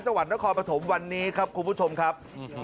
จังหวัดนครปฐมวันนี้ครับคุณผู้ชมครับ